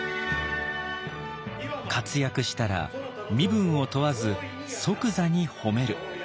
活躍したら身分を問わず即座に褒める。